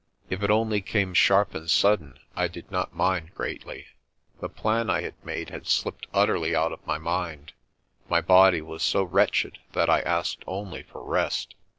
If it only came sharp and sudden, I did not mind greatly. The plan I had made had slipped utterly out of my mind. My body was so wretched that I asked only for rest.